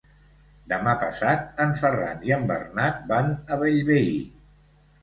Demà passat en Ferran i en Bernat van a Bellvei.